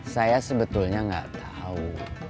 saya sebetulnya gak tahu